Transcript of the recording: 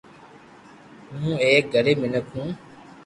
ھون ايڪ غريب مينک ھون